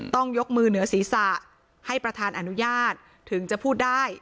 ต้องยกมือเหนือศีรษะให้ประธานอนุญาตถึงจะพูดได้